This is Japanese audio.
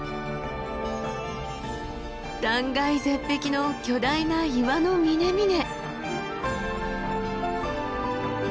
断崖絶壁の巨大な岩の峰々。